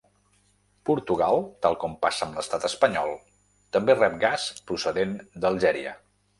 Portugal, tal com passa amb l’estat espanyol, també rep gas procedent d’Algèria.